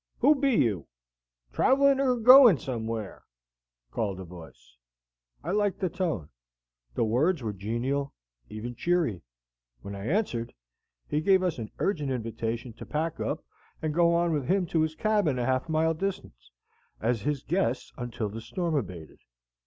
Who be you? Travelin' er goin' somewhere?" called a voice. I liked the tone; the words were genial, even cheery. When I answered, he gave us an urgent invitation to pack up and go on with him to his cabin a half mile distant, as his guests until the storm abated.